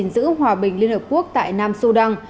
giữ hòa bình liên hợp quốc tại nam sô đăng